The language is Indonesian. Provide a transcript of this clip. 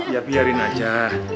ya biarin aja